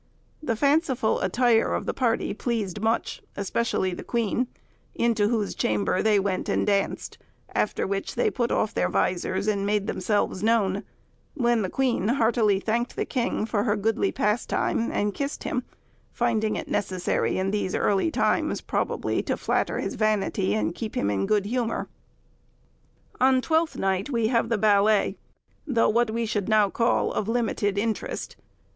The fanciful attire of the party pleased much, especially the queen, into whose chamber they went and danced, after which they put off their visors, and made themselves known, when the queen heartily thanked the king for her goodly pastime, and kissed him; finding it necessary, in these early times, probably to flatter his vanity, and keep him in good humour. On Twelfth Night we have the ballet, though what we should call now of limited interest.